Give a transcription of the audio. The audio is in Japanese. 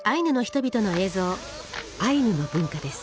アイヌの文化です。